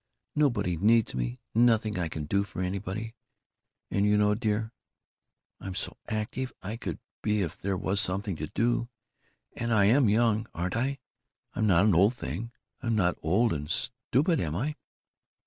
Nobody needs me, nothing I can do for anybody. And you know, dear, I'm so active I could be if there was something to do. And I am young, aren't I! I'm not an old thing! I'm not old and stupid, am I?"